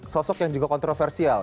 sosok yang juga kontroversial